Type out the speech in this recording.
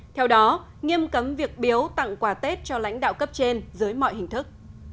theo đó nghiêm cấm việc biếu tặng quà tết cho lãnh đạo cấp trên dưới mọi hình thức